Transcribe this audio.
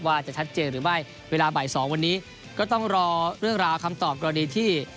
ว่าจะชัดเจนหรือไม่เวลาบ่ายสองวันนี้ก็ต้องรอเรื่องราวคำตอบกรณีที่